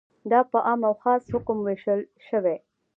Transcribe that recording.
دا په عام او خاص حکم ویشل شوی.